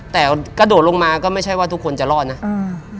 แต่กระโดดลงมาก็ไม่ใช่ว่าทุกคนจะรอดนะอืม